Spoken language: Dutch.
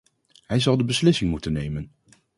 Hij zal de beslissing moeten nemen.